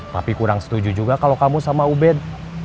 tapi kurang setuju juga kalau kamu sama ubed